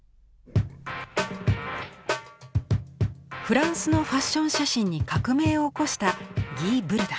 フランスのファッション写真に革命を起こしたギイ・ブルダン。